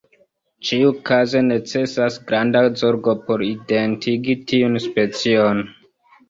Ĉiukaze necesas granda zorgo por identigi tiun specion.